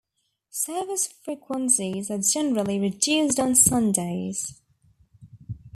Service frequencies are generally reduced on Sundays.